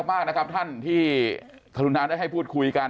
ขอบคุณมากนะครับท่านที่ทหารุณาได้ให้พูดคุยกัน